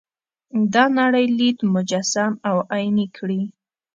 دا نړۍ لید مجسم او عیني کړي.